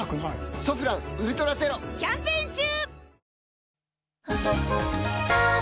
「ソフランウルトラゼロ」キャンペーン中！